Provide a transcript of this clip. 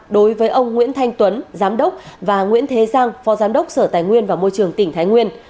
đối với ông nguyễn thanh tuấn giám đốc và nguyễn thế giang phó giám đốc sở tài nguyên và môi trường tỉnh thái nguyên